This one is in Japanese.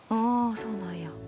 そうなんや。